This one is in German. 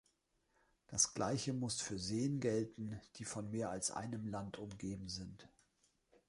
Das gleiche muss für Seen gelten, die von mehr als einem Land umgeben sind.